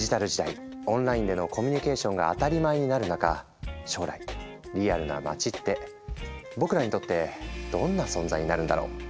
オンラインでのコミュニケーションが当たり前になる中将来リアルな街って僕らにとってどんな存在になるんだろう。